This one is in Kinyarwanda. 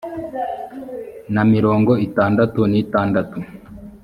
na mirongo itandatu n itandatu